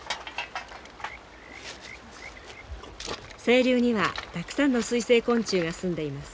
清流にはたくさんの水生昆虫がすんでいます。